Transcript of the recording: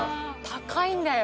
高いんだよ。